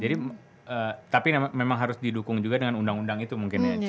jadi tapi memang harus didukung juga dengan undang undang itu mungkin ya